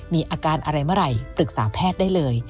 มีอาการอะไรเมื่อไหร่ปรึกษาแพทย์ได้เลย